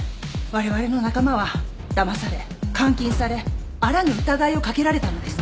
われわれの仲間はだまされ監禁されあらぬ疑いをかけられたのです。